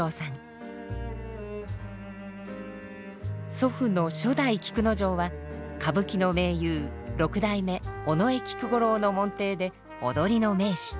祖父の初代菊之丞は歌舞伎の名優六代目尾上菊五郎の門弟で踊りの名手。